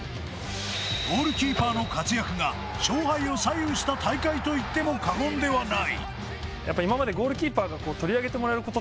ゴールキーパーの活躍が勝敗を左右した大会といっても過言ではない。